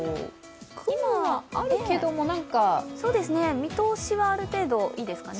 雲はあるけれども何か見通しはある程度いいですかね。